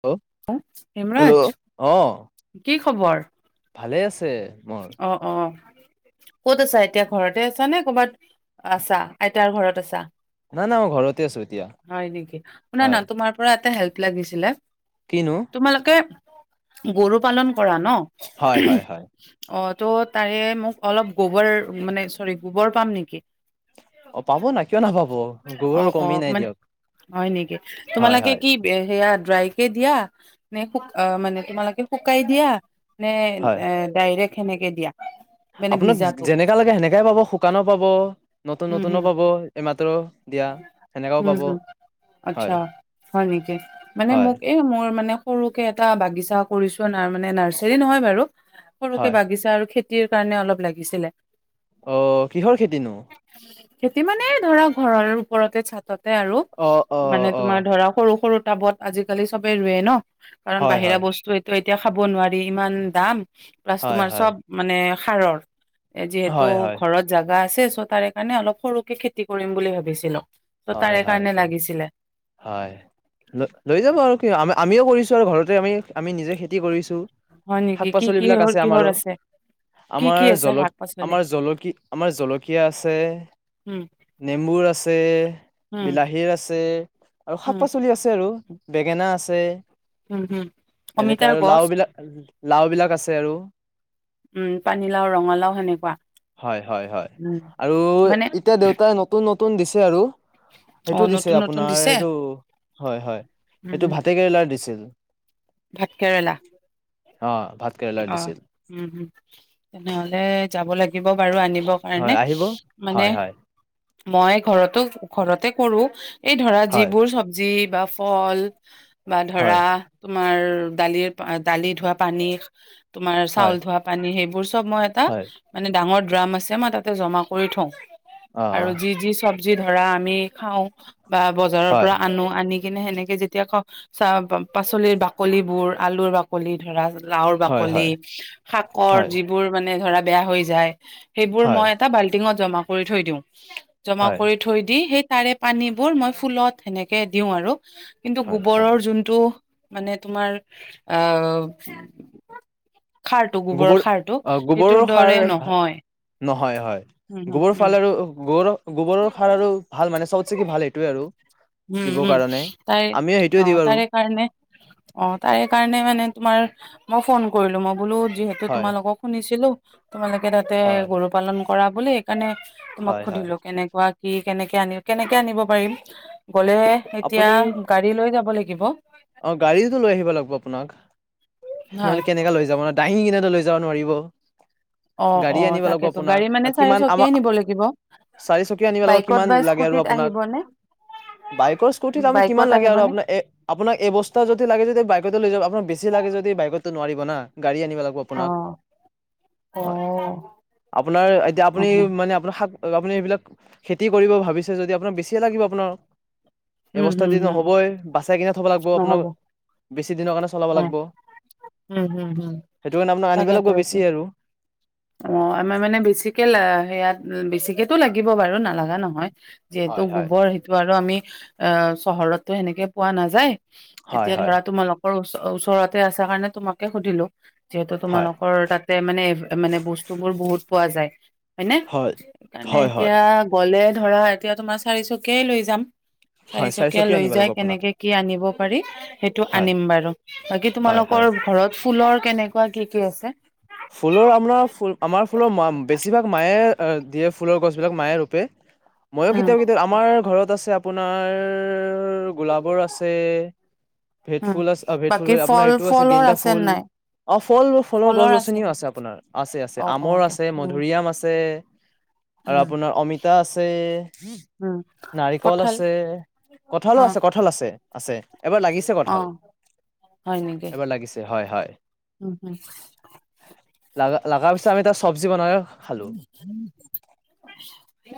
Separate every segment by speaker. Speaker 1: Hello, hello
Speaker 2: Himraj
Speaker 1: অ
Speaker 2: কি খবৰ?
Speaker 1: ভালেই আছো।
Speaker 2: অ-অ' ক'ত আছা এতিয়া, ঘৰতে আছা নে কবাত? আছা। আইতাৰ ঘৰত। বাছা।
Speaker 1: না না মই ঘৰতে আছো এতিয়া
Speaker 2: হয় নেকি। শুনা না
Speaker 1: হয়
Speaker 2: তোমাৰ পৰা এটা হেল্প কি লাগিছিলে?
Speaker 1: কিনো
Speaker 2: তোমালোকে গৰু পালন কৰা ন?
Speaker 1: হয়, হয়, হয়।
Speaker 2: অ', তো তাৰে মোক অলপ গোবৰ, মানে চৰি গোবৰ পাম নেকি?
Speaker 1: অ পাব না কিয় নাপাব গোবৰৰ
Speaker 2: অ',
Speaker 1: কমি
Speaker 2: অ',
Speaker 1: নাই
Speaker 2: মানে
Speaker 1: দিয়ক
Speaker 2: হয় নেকি?
Speaker 1: হয়
Speaker 2: তোমালোকে
Speaker 1: হয়
Speaker 2: কি সেয়া ড্ৰাই [unintelligible] দিয়া নে শু আহ মানে তোমালোকে শুকাই দিয়া। নে
Speaker 1: হয়
Speaker 2: ডাইৰেক সেনেকে দিয়া।
Speaker 1: আপোনাক যেনেকা লাগে সেনেকাই পাব শুকানো পাব নতুন নতুনো পাব এইমাত্ৰ দিয়া সেনেকাও
Speaker 2: উম,
Speaker 1: পাব
Speaker 2: হহ'
Speaker 1: হয়
Speaker 2: আচ্ছা হয় নেকি? মানে
Speaker 1: হয়
Speaker 2: মোক এই মোৰ মানে সৰুকে এটা বাগিচা কৰিছো ন' মানে নাৰ্চাৰী নহয় বাৰু। সৰুকে
Speaker 1: হয়
Speaker 2: বাগিচা আৰু খেত টিৰ কাৰণে অলপ লাগিছিলে।
Speaker 1: অ', কিহৰ খেতিনো?
Speaker 2: খেতি মানে ধৰক ঘৰৰ ওপৰতে চাদ তাতে আৰু
Speaker 1: অ অ
Speaker 2: মানে
Speaker 1: অ
Speaker 2: তোমাৰ ধৰা সৰু সৰু টাবত আজিকালি চবে ৰুৱে ন'। কাৰণ
Speaker 1: হয়
Speaker 2: বাহিৰা
Speaker 1: হয়
Speaker 2: বস্তু সটো এতিয়া খাব নোৱাৰি ইমান দাম। প্লাছ
Speaker 1: হয়
Speaker 2: তোমাৰ
Speaker 1: হয়
Speaker 2: চব মানে সাৰৰ এ, যিহেতু
Speaker 1: হয় হয়
Speaker 2: ঘৰত যা জা [unintelligible] আছে চতাৰে কাৰণে অলপ সৰুকে খেতি কৰিম। বুলি ভাবিছিলোঁ।
Speaker 1: হয়, হয়, হয়, হয়, ল লৈ যাব আৰু কি আমিও কৰিছো। ঘৰতে আমি আমি নিজে খেতি কৰিছোঁ।
Speaker 2: হয় নেকি কি কি
Speaker 1: শাক-পাচল বিলাক
Speaker 2: কিহৰ
Speaker 1: আছে
Speaker 2: কিহৰ
Speaker 1: আমাৰো,
Speaker 2: কি কি
Speaker 1: আমাৰ
Speaker 2: আছে
Speaker 1: জল
Speaker 2: শাক পাচলি?
Speaker 1: আমাৰ জলক আমাৰ জলকীয়া আছে
Speaker 2: উম,
Speaker 1: নেবুৰ আছে।
Speaker 2: উম,
Speaker 1: বিলাহীৰ আছে আৰু শাক
Speaker 2: উম,
Speaker 1: পাচলি আছে। আৰু বেঙেনা আছে।
Speaker 2: উম, হুম।
Speaker 1: এনে
Speaker 2: অমিতাৰ
Speaker 1: কাৰ
Speaker 2: গছ,
Speaker 1: লাওঁ বিলাক লাওঁ বিলাক আছে আৰু।
Speaker 2: উম, পানীলাও, ৰঙালাও সেনেকুৱা।
Speaker 1: হয়, হয়, হয়
Speaker 2: উম,
Speaker 1: আৰু
Speaker 2: মানে
Speaker 1: এতিয়া দেউতাই নতুন নতুন নতুন দিছে আৰু। সেইটো
Speaker 2: অ',
Speaker 1: দিছে
Speaker 2: নতুন নতুন
Speaker 1: আপোনাৰ
Speaker 2: দিছে,
Speaker 1: সেইটো হয়, হয়, সেইটো
Speaker 2: উম,
Speaker 1: ভাতেকেৰেলাৰ দিছিল।
Speaker 2: ভাত কেৰেলা।
Speaker 1: অ। ভাত কেৰেলাৰ
Speaker 2: অ',
Speaker 1: দিছিল
Speaker 2: উম, হম, তেনেহ'লে যাব লাগ দিব বাৰু আনিম। দৰকাৰ
Speaker 1: হয়
Speaker 2: নে
Speaker 1: আহিব
Speaker 2: মানে
Speaker 1: হয় হয়
Speaker 2: মই ঘৰতো ঘৰতে কৰো। এই ধৰা
Speaker 1: হয়
Speaker 2: যিবোৰ চবজি বা ফল বা
Speaker 1: হয়
Speaker 2: ধৰা তোমাৰ দালিৰ পা দালি ধোৱা পানী [inaudible] তোমাৰ
Speaker 1: হয়
Speaker 2: চাউল ধোৱা পানী সেইবোৰ চব মই এটা
Speaker 1: হয়
Speaker 2: মানে ডাঙৰ ড্ৰাম আছে, মই তাতে জমা কৰি থওঁ।
Speaker 1: অ
Speaker 2: আৰু যি যি চব যি ধৰা আমি খাওঁ বা বজাৰৰ
Speaker 1: হয়
Speaker 2: পৰা আনো, আনি যেনে সেনেকে যেতিয়া [unintelligible] পাচলিৰ বাকলিবোৰ আলুৰ বাকলি ধৰা লাউ
Speaker 1: হয়
Speaker 2: কলি
Speaker 1: হয়
Speaker 2: শাকৰ
Speaker 1: হয়
Speaker 2: যিবোৰ মানে ধৰা বেয়া হৈ যায়। সেইবোৰ
Speaker 1: হয়
Speaker 2: মই এটা বাল্টিঙত জমা কৰি থৈ দিওঁ। জমা
Speaker 1: হয়
Speaker 2: কৰি থৈ দি সেই তাৰে পানীবোৰ মই ফুলত সেনেকে দিওঁ আৰু। কিন্তু
Speaker 1: হয় হয়
Speaker 2: গোবৰৰ যোনটো মানে তোমাৰ অ
Speaker 1: গোবৰ অ', গোবৰৰ
Speaker 2: সেইটোৰ দৰে
Speaker 1: সাৰ
Speaker 2: নহয়
Speaker 1: নহয় হয়।
Speaker 2: উম হম
Speaker 1: গোবৰৰ
Speaker 2: উম
Speaker 1: ফাল আৰু গোবৰৰ গোবৰৰ সাৰ আৰু ভাল মানে চবতচেকি ভাল সেইটোৱে আৰু।
Speaker 2: উম
Speaker 1: দিবৰ
Speaker 2: উম
Speaker 1: কাৰণে
Speaker 2: তাৰে
Speaker 1: আমিও সেইটোৱে
Speaker 2: অ
Speaker 1: দিওঁ আৰু
Speaker 2: তাৰে কাৰণে অ তাৰে কাৰণে মানে তোমাৰ মই ফোন কৰিলোঁ মই বোলো যিহেতু
Speaker 1: হয়
Speaker 2: তোমালোকক শুনিছিলো। তোমালোকে তাতে
Speaker 1: হয়
Speaker 2: গৰু পালন কৰা বুলি কাৰণে তোমাক
Speaker 1: হয় হয়
Speaker 2: সুধিলো কেনেকুৱা কি কেনেকে আনি, কেনেকে আনিব পাৰিম। গলে, এতিয়া,
Speaker 1: আপুনি
Speaker 2: গাড়ী লৈ যাব লাগিব। [unintelligible]
Speaker 1: অ গাড়ীতো লৈ আহিব লাগিব আপোনাক
Speaker 2: হয়
Speaker 1: নহলে কেনেকা লৈ যাব ন দাঙি কিনেটা লৈ যাব যাব নোৱাৰিব।
Speaker 2: অ
Speaker 1: গাড়ী
Speaker 2: অ
Speaker 1: আনিব লাগব,
Speaker 2: তাকেতো
Speaker 1: আপোনাক।
Speaker 2: গাড়ী মানে
Speaker 1: আ, কিমান
Speaker 2: চাৰিচকীয়াই
Speaker 1: আমা-ক,
Speaker 2: নিব লাগিব
Speaker 1: চাৰিচকীয়া আনিব, [unintelligible]
Speaker 2: বাইকত
Speaker 1: কিমান
Speaker 2: বা
Speaker 1: লাগে আৰু
Speaker 2: স্কুটিত
Speaker 1: আপোনাক?
Speaker 2: আহিবনে
Speaker 1: বাইকৰ স্কুটিত [unintelligible] কিমান
Speaker 2: বাইকত
Speaker 1: লাগে আৰু
Speaker 2: আহিবনে
Speaker 1: আপোনাক? এ আপোনাক এই বস্তা যদি লাগে যদি বাইকতে লৈ যাব আপোনাৰ বেছি লাগে যদি বাইকোতটো নোৱাৰিব না গাড়ী আনিব লাগিব
Speaker 2: অ
Speaker 1: আপোনাক,
Speaker 2: অ
Speaker 1: হয়। আপোনাৰ এতিয়া আপুনি
Speaker 2: উম
Speaker 1: মানে আপোনাৰ শাক আপুনি এইবিলাক খেতি কৰিব ভাবিছে যদি আপোনাক বেছিয়ে লাগিব আপোনাৰ এবস্তা
Speaker 2: হম
Speaker 1: দি
Speaker 2: হম
Speaker 1: নহ'বই। বাছ্ চাই কেনে থ'ব লাগব, আপোনাৰ।
Speaker 2: নহ'ব অ
Speaker 1: বেছি দিনৰ কাৰণে চলাব
Speaker 2: উম
Speaker 1: লাগিব
Speaker 2: হম হম হম
Speaker 1: সেইটো কাৰণে আপোনাক আনিব লাগিব
Speaker 2: তাকেতো
Speaker 1: বেছি আৰু
Speaker 2: অ আমাৰ মানে বেছিকে লা, সেয়াত ও, বেছিকেতো লাগিব বাৰু নালাগা নহয়। যিহেতু
Speaker 1: হয় হয়
Speaker 2: গোবৰ সেইটো আৰু আমি অ চহৰতে সেনেকে পোৱা নাযায়
Speaker 1: হয়
Speaker 2: এতিয়া
Speaker 1: হয়
Speaker 2: ধৰা, তোমালোক ওচৰতে আছে কাৰণে তোমাকে সুধিলো যিহেতু
Speaker 1: হয়
Speaker 2: তোমালোকৰ তাতে মানে এভ মানে বস্তুবোৰ বহুত পোৱা যায়। হয় নে? সেইকাৰণে
Speaker 1: হয় হয় হয়
Speaker 2: এতিয়া গলে ধৰা, এতিয়া তোমাৰ চাৰিচকীয়াই লৈ যাম।
Speaker 1: হয়
Speaker 2: চাৰিচকীয়া লৈ
Speaker 1: আনিব
Speaker 2: যায়
Speaker 1: লাগিব আপোনাক
Speaker 2: কেনেকে কি আনিব পাৰি সেইটো
Speaker 1: হয়
Speaker 2: আনিম বাৰু, বাকী
Speaker 1: হয় হয়
Speaker 2: তোমালোকৰ ঘৰত ফুলৰ কেনেকুৱা কি কি আছে
Speaker 1: ফুলৰ অমৰা, ফুল, আমাৰ ফুলৰ মাম, বেছিভাগ মায়ে, এ দিয়ে ফুলৰ গছবিলাক, মায়ে ৰূপে ময়ো
Speaker 2: উম।
Speaker 1: কেতিয়াবা কেতিয়াও আমাৰ ঘৰত আছে আপোনাৰ গোলাবৰ আছে ভেদ
Speaker 2: উম,
Speaker 1: ফুল আছে ভেদ ফুল
Speaker 2: বাকী
Speaker 1: আপোনাৰ
Speaker 2: ফল
Speaker 1: এইটো আছে
Speaker 2: ফলৰ
Speaker 1: গেনদা ফুল
Speaker 2: নাই?
Speaker 1: অ ফল ফলৰ গছ গছ [unintelligible] আছে, আপোনাৰ। আছে, আছে।
Speaker 2: অ',
Speaker 1: আমৰ
Speaker 2: অ', দে
Speaker 1: আছে,
Speaker 2: উম,
Speaker 1: মধুৰিআম আছে। আৰু আপোনাৰ অমিতা আছ [unintelligible]
Speaker 2: উম,
Speaker 1: নাৰিকল
Speaker 2: কঠাল
Speaker 1: আছে, কঁঠালো
Speaker 2: অ',
Speaker 1: আছে, কঁঠাল আছে আছে, এবাৰ লাগিছে কঁঠাল,
Speaker 2: অ', হয় নেকি?
Speaker 1: এবাৰ লাগিছে হয়, হয়।
Speaker 2: উম, হম।
Speaker 1: লাগা লগাৰ পিছত আমি তাৰ চব্জি বনাই খালোঁ।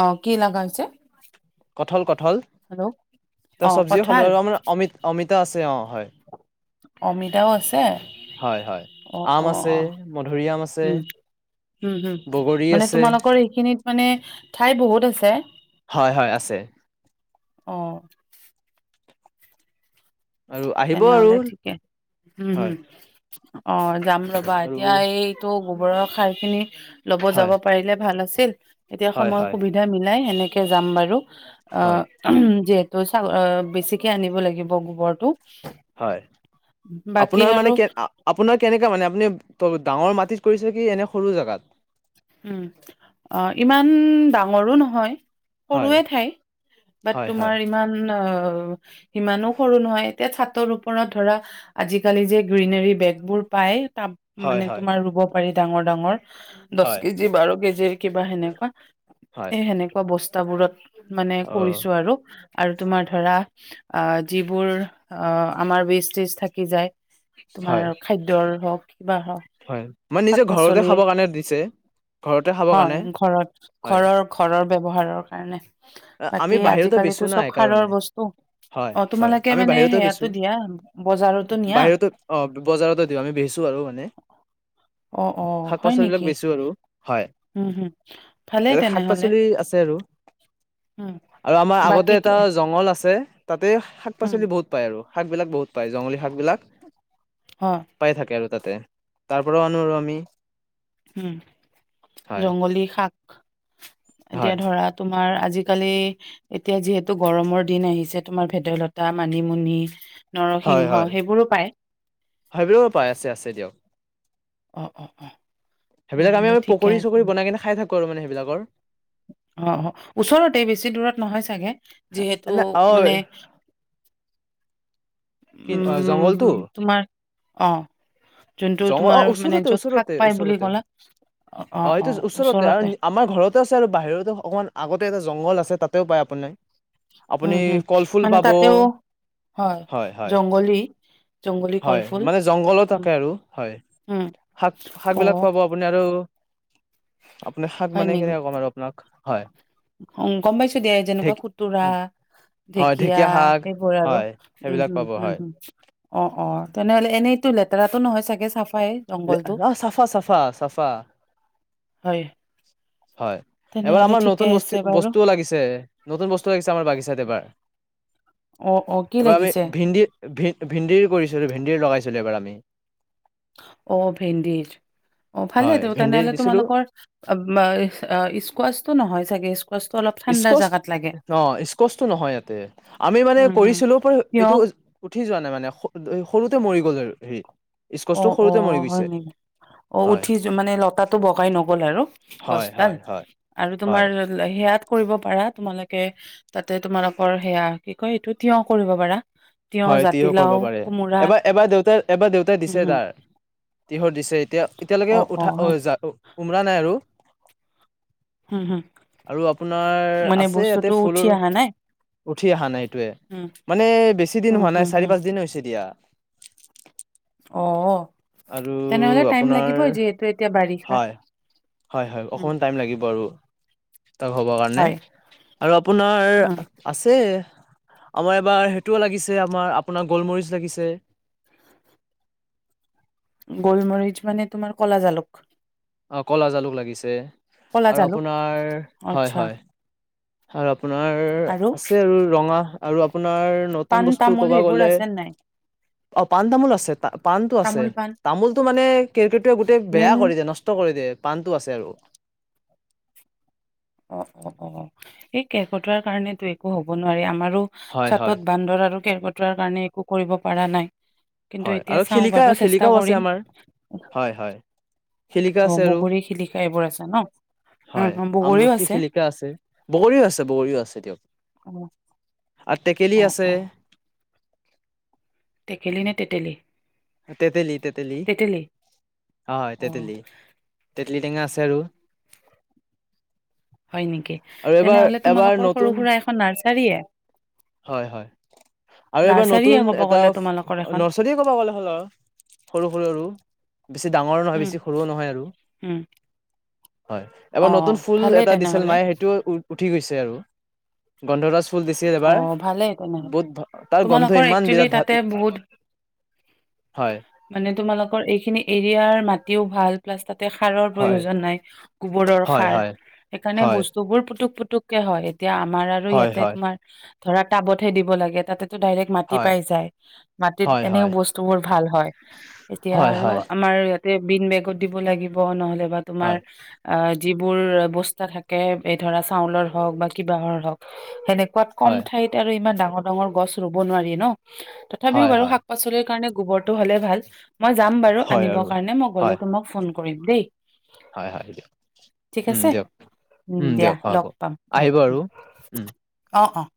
Speaker 2: অ', কি লাগা হৈছে?
Speaker 1: কঠল ক'ত? [unintelligible]
Speaker 2: হেল্ল'
Speaker 1: তাৰ
Speaker 2: অ',
Speaker 1: চব্জিও
Speaker 2: কঁঠাল
Speaker 1: [unintelligible] অমিত অমিতা আছে অ'। হয়।
Speaker 2: অমিতাও আছে?
Speaker 1: হয় হয়
Speaker 2: অ'
Speaker 1: আম
Speaker 2: অ'
Speaker 1: আছে
Speaker 2: অ',
Speaker 1: মধুৰি আম আছে
Speaker 2: উম, হম, হম।
Speaker 1: বগৰী
Speaker 2: মানে
Speaker 1: আছে
Speaker 2: তোমালোকৰ এইখিনিত মানে ঠাই বহুত আছে। তে?
Speaker 1: হয়, হয়, আছে।
Speaker 2: অ'।
Speaker 1: আৰু আহিব আৰু
Speaker 2: তেনেহলে ঠিকে হম
Speaker 1: হয়
Speaker 2: হম। অ যাম ৰবা
Speaker 1: আৰু
Speaker 2: এতিয়া এইটো [unintelligible] লব যাব
Speaker 1: হয়
Speaker 2: পাৰিলে ভাল আছ [unintelligible] এতিয়া
Speaker 1: হয়
Speaker 2: সময়
Speaker 1: হয়
Speaker 2: সুবিধা মিলাই হেনে কিয় যাম বাৰু? অ
Speaker 1: হয়
Speaker 2: যে [unintelligible] বেছিকে আনিব লাগিব গোবৰটো।
Speaker 1: হয়
Speaker 2: বাকী
Speaker 1: আপোনাৰ
Speaker 2: আৰু
Speaker 1: মানে কে আপোনাৰ কেনেকা মানে আপুনি গাওঁৰ মাটিত কৰিছে কি এনে সৰু জাগাত?
Speaker 2: উম অ ইমান ডাঙৰো নহয়।
Speaker 1: হয়
Speaker 2: সৰুয়ে ঠাই বাত
Speaker 1: হয়
Speaker 2: তোমাৰ
Speaker 1: হয়
Speaker 2: ইমান অ সিমানো সৰু নহয় এতিয়া চাতৰ ওপৰত ধৰা আজিকালি যে গ্ৰীনেৰী বেগবোৰ পায় তাব
Speaker 1: হয়
Speaker 2: মানে
Speaker 1: হয়
Speaker 2: তোমাৰ ৰুব পাৰি ডাঙৰ ডাঙৰ দশ
Speaker 1: হয়
Speaker 2: কেজি বাৰ কেজি কিবা সেনেকুৱা
Speaker 1: হয়
Speaker 2: এ সেনেকুৱা [unintelligible] তাবোৰত মানে
Speaker 1: অ
Speaker 2: কৰিছোঁ‌ আৰু আৰু তোমাৰ ধৰা আ যিবোৰ আ আমাৰ বিজ তিজ থাকি যায়। তোমাৰ
Speaker 1: হয়
Speaker 2: খাদ্যৰ হওক বাহ
Speaker 1: হয় মানে
Speaker 2: শাক
Speaker 1: নিজে ঘৰতে খাব
Speaker 2: পাচলিৰ,
Speaker 1: কাৰণে দিছে ঘৰতে খাব কাৰণে
Speaker 2: হয় ঘৰত ঘৰৰ ঘৰৰ ব্যৱহাৰৰ দৰকাৰ নাই
Speaker 1: আ আমি বাহিৰতো বেচো না কাৰণে,
Speaker 2: বস্তু অ
Speaker 1: হয়-হয়
Speaker 2: তোমালোকে
Speaker 1: আমি
Speaker 2: মানে
Speaker 1: বাহিৰতো
Speaker 2: সেয়াতো
Speaker 1: বেচো,
Speaker 2: দিয়া বজাৰতো নিয়া
Speaker 1: বাহিৰতো, অ বজাৰতো দিওঁ, আমি বেচো আৰু মানে।
Speaker 2: অ অ
Speaker 1: শাক
Speaker 2: হয়
Speaker 1: পাচলিবিলাক
Speaker 2: নেকি,
Speaker 1: বেচো আৰু হয়
Speaker 2: হম হম, ভালেই
Speaker 1: ইয়াতে শাক
Speaker 2: তেনেহলে।
Speaker 1: পাচলি আছে আৰু
Speaker 2: উম
Speaker 1: আৰু আমাৰ
Speaker 2: বাকী
Speaker 1: আগতে
Speaker 2: কি-
Speaker 1: এটা জংঘল আছে। তে শাক
Speaker 2: উম
Speaker 1: পাচলি বহুত পায় আৰু। শাকবিলাক বহুত পায় জংলী শাক বিলাক,
Speaker 2: হয়
Speaker 1: পাই থাকে আৰু তাতে, তাৰ পৰাও আনো আৰু আমি।
Speaker 2: উম
Speaker 1: হয়
Speaker 2: জংগলী শাক এতিয়া
Speaker 1: হয়
Speaker 2: ধৰা তোমাৰ আজ ইকালি এতিয়া যিহেতু গৰমৰ দিন আহিছে, তোমাৰ ভেদাইলতা, মানিমুনি
Speaker 1: হয়
Speaker 2: নৰসিংহ
Speaker 1: হয়,
Speaker 2: সেইবোৰো পায়
Speaker 1: হবেউ পাই আছে আছে দিয়ক।
Speaker 2: অ অ অ
Speaker 1: সেইবিলাক আমি
Speaker 2: তেনেহলে
Speaker 1: মানে
Speaker 2: ঠিকে
Speaker 1: পকৰী
Speaker 2: আছে
Speaker 1: চকৰি বনাই কেনে খাই থাক কৰোঁ‌ মানে সেইবিলাকৰ
Speaker 2: অ অ ওচৰতে বেছি দূৰত নহয় চাগে, যিহেতু
Speaker 1: না অ
Speaker 2: মানে
Speaker 1: কিন অ জংঘলটো?
Speaker 2: উম তোমাৰ অ। যোনটো
Speaker 1: জঙ অ
Speaker 2: তোমাৰ মানে য'ত শাক পাই বুলি
Speaker 1: ওচৰতে-ওচৰতে-ওচৰতে,
Speaker 2: ক'লা
Speaker 1: অ এইটো ওচৰতে আৰু নি আমাৰ ঘৰতে আছে আৰু বাহিৰতে অ অকমান আগত এ এটা জংঘল আছে তাতেও পায় আপুনি।
Speaker 2: উম হম,
Speaker 1: কলফুল
Speaker 2: মানে
Speaker 1: পাব
Speaker 2: তাতেও, হয় জংগলী জংগলী
Speaker 1: হয়
Speaker 2: কলফুল
Speaker 1: মানে জংঘলো
Speaker 2: উম
Speaker 1: থাকে আৰু, হয়
Speaker 2: উম,
Speaker 1: শাক-শাক
Speaker 2: অ
Speaker 1: বিলাক পাব আপুনি আৰু আপোনাৰ শাক
Speaker 2: হয়
Speaker 1: মানে
Speaker 2: নেকি
Speaker 1: কেনেকে কম আৰু আপোনাক। হয়।
Speaker 2: [unintelligible] গম পাইছো দিয়া
Speaker 1: ঢেক
Speaker 2: যেনেকুৱা খুতুৰা,
Speaker 1: হয়
Speaker 2: ঢেকীয়া
Speaker 1: শাক
Speaker 2: সেইবোৰ আৰু।
Speaker 1: হয়
Speaker 2: উম,
Speaker 1: সেইবিলাক
Speaker 2: হম,
Speaker 1: পাব
Speaker 2: হম,
Speaker 1: হয়
Speaker 2: হম, অ', অ। তেনেহলে এনেইতটো লেতেৰাতটো নহয় চাগে। চাফ
Speaker 1: লে আহ চফা চফা চফা।
Speaker 2: হয়।
Speaker 1: হয় এবাৰ
Speaker 2: তেনেহলে
Speaker 1: আমাৰ
Speaker 2: ঠিকে
Speaker 1: নতুন
Speaker 2: আছে
Speaker 1: বস্তু
Speaker 2: বাৰু
Speaker 1: বস্তু লাগিছে নতুন বস্তু লাগিছে আমাৰ বাগিচাত এবাৰ
Speaker 2: অ অ কি
Speaker 1: এইবাৰ আমি
Speaker 2: লাগিছে
Speaker 1: ভিন্দি ভ ভেন্দিৰ কৰিছিলোঁ। ভেন্দিৰ লগাইছিলোঁ এইবাৰ আমি।
Speaker 2: অ', ভেন্দিৰ। অ',
Speaker 1: হয়
Speaker 2: ভালেইেতো
Speaker 1: ভেন্দিৰ
Speaker 2: তেনেহলে
Speaker 1: দিছিলোঁ
Speaker 2: তোমালোকৰ অ-ব অ', স্কোৱাচটো নহয় চাগে? স্কোৱাচটো অলপ ঠাণ্ডা
Speaker 1: স্কচ
Speaker 2: জাগাত লাগে
Speaker 1: ন স্কচটো নহয় ইয়াতে, আমি মানে
Speaker 2: উম হুম
Speaker 1: কৰিছিলোঁ পৰ
Speaker 2: কিয়
Speaker 1: এইটো উঠি যোৱা নাই মা মানে [unintelligible] সৰুতে মৰি গ'ল আৰু হেৰি স্কচটো
Speaker 2: অ',
Speaker 1: সৰুতে মৰি
Speaker 2: অ', হয়
Speaker 1: গৈছে
Speaker 2: নেকি। অ',
Speaker 1: হয়
Speaker 2: উঠিছো মানে লতাটো বগাই নগ'ল আৰু।
Speaker 1: হয়
Speaker 2: গছডাল
Speaker 1: হয় হয়
Speaker 2: আৰু তোমাৰ
Speaker 1: হয়
Speaker 2: লৈ সেয়াত কৰিব পাৰা তোমালোকে তাতে তোমালোকৰ সেয়া কি কয়, এইটো তিয়হ কৰিব পাৰা। তিয়হ
Speaker 1: হয় এতিয়াও কৰিব
Speaker 2: জাতিলাও
Speaker 1: পাৰে
Speaker 2: কোমোৰা
Speaker 1: এবাৰ এবাৰ দেউতাৰ এবাৰ দেউতা তে
Speaker 2: হম
Speaker 1: দিছে
Speaker 2: হম
Speaker 1: তাৰ। তিহৰ দিছে। এতিয়া এতিয়ালৈকে
Speaker 2: অ অ
Speaker 1: উঠা
Speaker 2: হয়
Speaker 1: এই-যা উমৰা নাই আৰু?
Speaker 2: হম হম
Speaker 1: আৰু আপোনাৰ
Speaker 2: মানে
Speaker 1: আছে ইয়াতে
Speaker 2: বস্তুটো উঠি
Speaker 1: ফুলৰ,
Speaker 2: অহা নাই
Speaker 1: উঠি অহা নাই এটোয়ে।
Speaker 2: উম
Speaker 1: মানে বেছি [unintelligible]
Speaker 2: হম
Speaker 1: হোৱা নাই,
Speaker 2: হম
Speaker 1: চাৰি
Speaker 2: হম
Speaker 1: পাঁচ দিন হে হৈছে। তিয়া।
Speaker 2: অ।
Speaker 1: আৰু
Speaker 2: তেনেহলে টাইম
Speaker 1: আপোনাৰ,
Speaker 2: লাগিবই যিহেতু এতিয়া বাৰিষা
Speaker 1: হয়, হয় হয়,
Speaker 2: উম
Speaker 1: অকমান টাইম লাগিব আৰু। তাক হ'বৰ কাৰণে
Speaker 2: হয়
Speaker 1: আৰু আপোনাৰ
Speaker 2: উম
Speaker 1: আছে আমাৰ এবাৰ সেইটোও লাগিছে আমাৰ আপোনাৰ, গোলমৰিচ লাগিছে।
Speaker 2: গোলমৰিচ মানে তোমাৰ ক'লা জালুক।
Speaker 1: অ', কলা জালুক লাগিছে।
Speaker 2: কলা
Speaker 1: আৰু
Speaker 2: জালুক
Speaker 1: আপোনাৰ, হয়
Speaker 2: আচ্ছা
Speaker 1: হয়। [unintelligible] আপোনাৰ আছে আৰু ৰঙা আৰু আপ আপোনাৰ নতুন
Speaker 2: পাণ
Speaker 1: বস্তু
Speaker 2: তামোল
Speaker 1: ক'ব
Speaker 2: সেইবোৰ
Speaker 1: গলে,
Speaker 2: আছে নাই
Speaker 1: অ', পাণ তামোল আছে। পাণটো আছে।
Speaker 2: তামোল পাণ
Speaker 1: তামোলতটো মানে কেৰকেটোৱে গোটেই বেয়া
Speaker 2: মেইন
Speaker 1: কৰি দিয়ে, নষ্ট কৰি দিয়ে। পাণটো আছে আৰু।
Speaker 2: অ-অ- অ এই কেৰ্কেটুৱাটো কাৰনে একো হব নোৱাৰি আমাৰ আৰু
Speaker 1: হয় হয়
Speaker 2: চাদত বান্দৰ আৰু কেৰ্কেটুৱাটো তাৰ কাৰণে একো কৰিব পৰা নাই কিন্তু
Speaker 1: হয়
Speaker 2: এতিয়া
Speaker 1: আৰু
Speaker 2: চাও
Speaker 1: শিলিখা
Speaker 2: বাৰু চেষ্টা
Speaker 1: শিলিখাও আছে
Speaker 2: কৰিম।
Speaker 1: আমাৰ হয় হয় শিলিখা
Speaker 2: অ'
Speaker 1: আছে আৰু
Speaker 2: বগৰী শিলিখা এইবোৰ আছে ন? বগৰীও আ
Speaker 1: কি শিলিখা আছে বগৰীও আছে বগৰীও আছে দিয়ক
Speaker 2: অ
Speaker 1: আৰু টেকেলি
Speaker 2: অ
Speaker 1: আছে
Speaker 2: অ টেকেলি নে তেতেলী?
Speaker 1: তেতেলি, তেতেলি।
Speaker 2: তেতেলী
Speaker 1: হয়।
Speaker 2: অ
Speaker 1: তেতেলি, তে [unintelligible] টেঙা আছে আৰু
Speaker 2: হয় নেকি?
Speaker 1: আৰু এবাৰ
Speaker 2: তেনেহ'লে
Speaker 1: এবাৰ
Speaker 2: তোমালোকৰ
Speaker 1: নতুন
Speaker 2: সৰু-সুৰা এখন নাৰ্চ [unintelligible]
Speaker 1: হয়, হয়। আৰু এবাৰ
Speaker 2: নাৰ্চাৰীয়ে
Speaker 1: নতুন
Speaker 2: ক'ব গ'লে
Speaker 1: এটাফ,
Speaker 2: তোমালোকৰ এখন
Speaker 1: নাৰ্চাৰীয়ে ক'ব গ'লে [unintelligible] সৰু-সৰু আৰু। বেছি ডাঙৰ নহয়,
Speaker 2: উম
Speaker 1: বেছি সৰুও নহয় আৰু।
Speaker 2: উম
Speaker 1: হয়।
Speaker 2: অ
Speaker 1: এবাৰ নতুন ফুল
Speaker 2: ভালেই
Speaker 1: এটা দিছিল
Speaker 2: তেনেহলে
Speaker 1: মায়ে। সেইটোৱে ও, উৎ উঠি গৈছে আৰু গন্ধৰাজ ফুল দিছিল,
Speaker 2: অ
Speaker 1: এবাৰ।
Speaker 2: ভালেই তেনেহ
Speaker 1: বহুত তাৰ গন্ধ
Speaker 2: তোমালোকৰ
Speaker 1: ইমান
Speaker 2: একচুয়ালি
Speaker 1: বিৰাট ভাল
Speaker 2: তাতে বহুত
Speaker 1: হয়
Speaker 2: মানে তোমালোকৰ এইখিনি এৰিয়াৰ মাটিও ভাল প্লাষ্টাৰ সাৰৰ
Speaker 1: হয়
Speaker 2: প্ৰয়োজন নাই, গোবৰৰ
Speaker 1: হয়
Speaker 2: সাৰ।
Speaker 1: হয়
Speaker 2: সেইকাৰণে
Speaker 1: হয়
Speaker 2: বস্তুবোৰ পুটুক পুটু পুতুকে হয় এতিয়া আমাৰ আৰু
Speaker 1: হয়
Speaker 2: ইয়াতে
Speaker 1: হয়
Speaker 2: ধৰা, টাবতহে দিব লাগে। তাতে [unintelligible] ডাইৰেক্ট মাটি
Speaker 1: হয়
Speaker 2: পাই যায়। মাটিত
Speaker 1: হয়
Speaker 2: এনেও
Speaker 1: হয়
Speaker 2: বস্তুবোৰ ভাল হয়। এতিয়া
Speaker 1: হয়
Speaker 2: আৰু
Speaker 1: হয়
Speaker 2: আমাৰ ইয়াত বিন বেগত দিব লাগিব নহলে অ তোমাৰ
Speaker 1: হয়
Speaker 2: আ, যিবোৰ বস্তা থাকে, এই ধৰা চাউলৰ হওঁক বা কিবাহৰ হওঁক, সেনে কম ঠাই আৰু ইমান ডাঙৰ ডাঙৰ-ডাঙৰ গছ ৰুৱ নোৱাৰি ন? তথাপিও
Speaker 1: হয় হয় হয়
Speaker 2: বাৰু শাক পাচলিৰ কাৰণে গোবৰটো হলে ভাল মই যাম বাৰু
Speaker 1: হয়
Speaker 2: আনিব
Speaker 1: আৰু
Speaker 2: কাৰণে মই
Speaker 1: হয়
Speaker 2: গলে তোমাক ফোন কৰিম দেই
Speaker 1: হয়! হয়! দিয়ক
Speaker 2: ঠিক
Speaker 1: উম!
Speaker 2: আছে
Speaker 1: দিয়ক উম!
Speaker 2: দিয়া
Speaker 1: দিয়ক। হ'ব
Speaker 2: লগ পাম উম,
Speaker 1: আহিব আৰু উম!
Speaker 2: অ', অ'